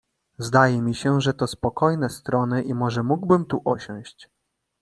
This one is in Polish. "Zdaje mi się, że to spokojne strony i może mógłbym tu osiąść."